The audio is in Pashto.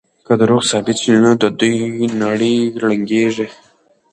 که دروغ ثابت شي نو د دوی نړۍ ړنګېږي.